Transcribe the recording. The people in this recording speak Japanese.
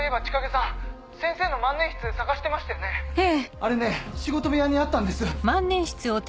あれね仕事部屋にあったんです。